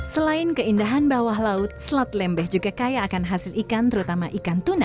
selain keindahan bawah laut selat lembeh juga kaya akan hasil ikan terutama ikan tuna